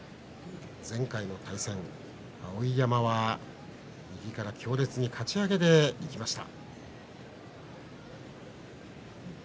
前回の対戦、碧山は右から強烈にかち上げでいきました。